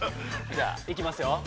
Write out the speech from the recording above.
◆じゃあ行きますよ。